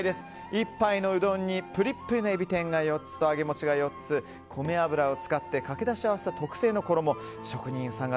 １杯のうどんにプリプリのエビ天が４つと揚げ餅が４つ、米油を使ってかけだしを合わせた特製の衣職人さんが